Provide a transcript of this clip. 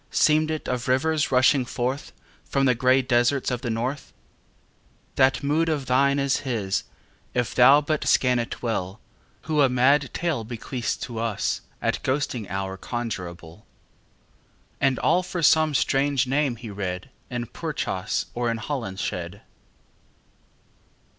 Seemed it of rivers rushing forth From the grey deserts of the north? That mood of thine Is his, if thou but scan it well, Who a mad tale bequeaths to us At ghosting hour conjurable And all for some strange name he read In Purchas or in Holinshed.